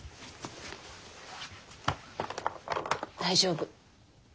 大丈夫。